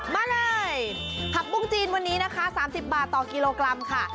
มาเลยผักบุ้งจีนวันนี้นะคะ๓๐บาทต่อกิโลกรัมค่ะ